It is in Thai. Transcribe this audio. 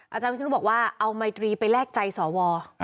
อาจารย์วิศนุบอกว่าเอาไมตรีไปแลกใจสว